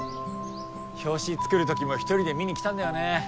表紙作る時も１人で見に来たんだよね。